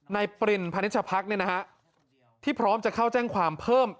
ในปริณภัณฑภัคดิ์เนี่ยนะที่พร้อมจะเข้าแจ้งความเพิ่ม